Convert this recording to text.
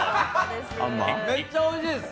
めっちゃおいしいです。